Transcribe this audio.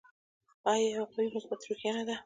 آیا یوه قوي او مثبته روحیه نه ده؟